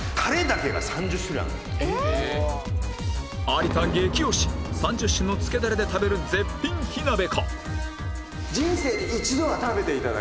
有田激推し３０種のつけダレで食べる絶品火鍋か？